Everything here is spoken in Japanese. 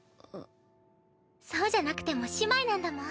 そうじゃなくても姉妹なんだもん。